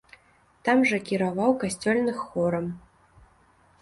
Там жа кіраваў касцёльных хорам.